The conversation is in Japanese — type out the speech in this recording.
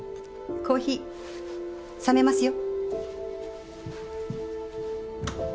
コーヒー冷めますよ。